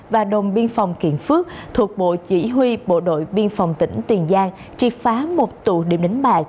và đồn biên phòng kiện phước thuộc bộ chỉ huy bộ đội biên phòng tỉnh tiền giang triệt phá một tụ điểm đánh bài